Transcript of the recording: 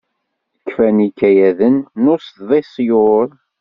Kfan yikayaden n usḍisyur.